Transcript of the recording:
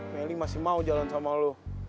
melly masih mau jalan sama lo